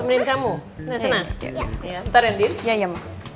ntar ya din